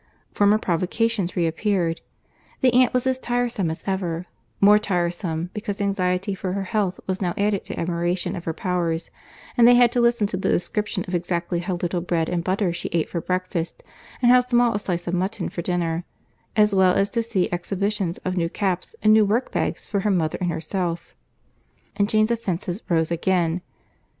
Former provocations reappeared. The aunt was as tiresome as ever; more tiresome, because anxiety for her health was now added to admiration of her powers; and they had to listen to the description of exactly how little bread and butter she ate for breakfast, and how small a slice of mutton for dinner, as well as to see exhibitions of new caps and new workbags for her mother and herself; and Jane's offences rose again.